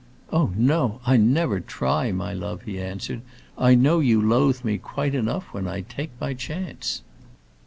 "Oh no, I never try, my love," he answered. "I know you loathe me quite enough when I take my chance."